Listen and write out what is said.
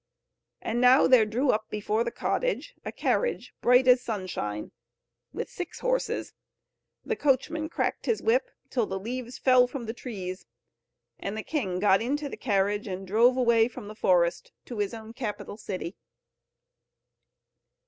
And now there drew up before the cottage a carriage, bright as sunshine, with six horses. The coachman cracked his whip, till the leaves fell from the trees, and the king got into the carriage, and drove away from the forest to his own capital city.